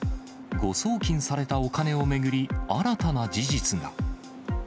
誤送金されたお金を巡り、新たな事実が。